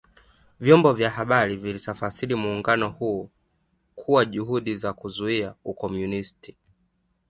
Vyombo vya habari vilitafsiri muungano huo kuwa juhudi za kuzuia Ukomunisti